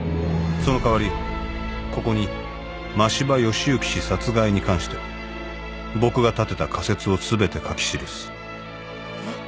「その代わりここに真柴義之氏殺害に関して僕が立てた仮説をすべて書き記す」えっ？